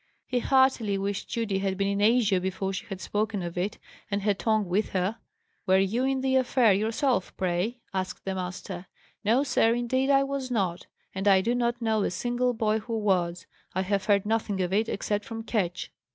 He heartily wished Judy had been in Asia before she had spoken of it, and her tongue with her. "Were you in the affair yourself, pray?" asked the master. "No, sir, indeed I was not; and I do not know a single boy who was. I have heard nothing of it, except from Ketch."